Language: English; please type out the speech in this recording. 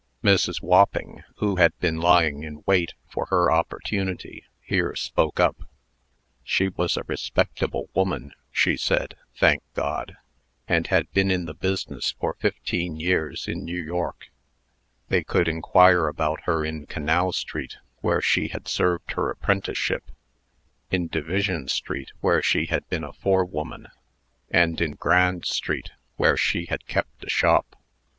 Mrs. Wopping, who had been lying in wait for her opportunity, here spoke up. She was a respectable woman, she said, thank God! and had been in the business for fifteen years, in New York. They could inquire about her in Canal street, where she had served her apprenticeship; in Division street, where she had been a forewoman; and in Grand street, where she had kept a shop.